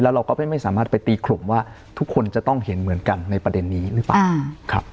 เราก็ไม่สามารถไปตีกลุ่มว่าทุกคนจะต้องเห็นเหมือนกันในประเด็นนี้หรือเปล่าครับ